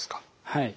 はい。